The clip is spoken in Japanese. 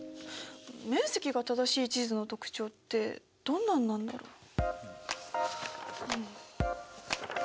面積が正しい地図の特徴ってどんなんなんだろ。